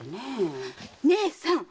義姉さん！